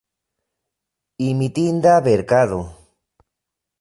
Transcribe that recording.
Imitinda verkado.